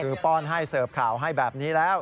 คือป้อนให้เสิร์ฟข่าวให้แบบนี้แล้ว